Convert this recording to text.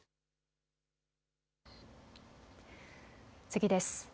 次です。